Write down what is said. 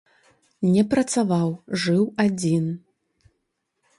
Не працаваў, жыў адзін.